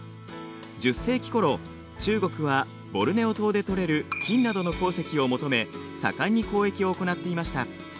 １０世紀ころ中国はボルネオ島で採れる金などの鉱石を求め盛んに交易を行っていました。